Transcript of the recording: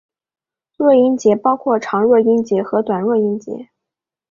弱音节包括长弱音节和短弱音节。